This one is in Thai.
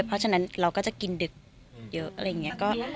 เพราะฉะนั้นเราก็จะกินดึกเยอะ